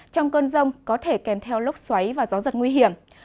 trong cơn rông có thể kèm theo lốc xoáy và gió giật nguy hiểm